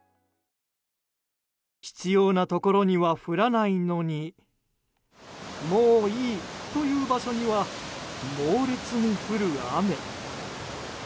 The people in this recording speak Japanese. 必要なところには降らないのにもういいという場所には猛烈に降る雨。